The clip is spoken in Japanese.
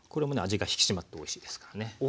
味が引き締まっておいしいですからね。